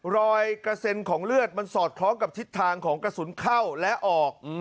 รอยกระเซ็นของเลือดมันสอดคล้องกับทิศทางของกระสุนเข้าและออก